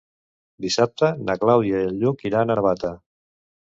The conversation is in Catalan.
Dissabte na Clàudia i en Lluc iran a Navata.